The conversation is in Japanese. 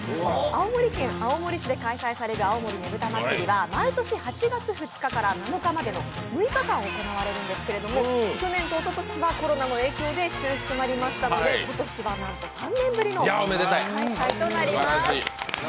青森県青森市で開催される青森ねぶた祭は毎年８月２日から７日までの６日間、行われるんですが去年とおととしはコロナの影響で中止となりましたので、今年は、なんと３年ぶりの開催となります。